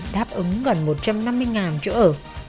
đáp ứng gần một trăm năm mươi chỗ ở